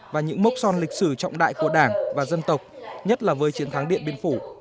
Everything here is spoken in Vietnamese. và những mốc son lịch sử trọng đại của đảng và dân tộc nhất là với chiến thắng điện biên phủ